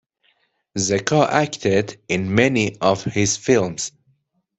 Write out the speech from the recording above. Zecca acted in many of his films.